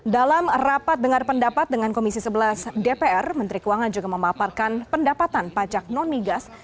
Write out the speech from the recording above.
dalam rapat dengar pendapat dengan komisi sebelas dpr menteri keuangan juga memaparkan pendapatan pajak non migas